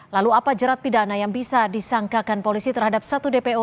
lalu apa jerat pidana yang bisa disangkakan polisi terhadap satu dpo